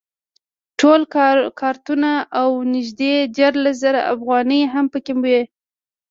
ټول کارتونه او نږدې دیارلس زره افغانۍ هم په کې وې.